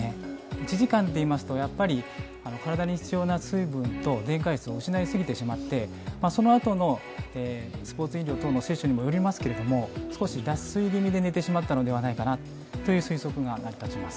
１時間といいますと、体に必要な水分と電解質を失いすぎてしまって、そのあとのスポーツ飲料等の摂取にもよりますけれども脱水ぎみで寝てしまったのではないかなという推測が成り立ちます。